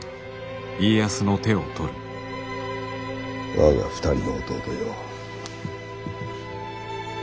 我が２人の弟よ。